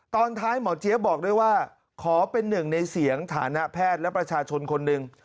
ตอนท้ายหมอเจี๊ยบบอกด้วยว่าขอเป็นหนึ่งในเสียงฐานะแพทย์และประชาชนคนหนึ่ง